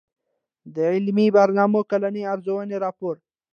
د علمي برنامو کلنۍ ارزوني راپور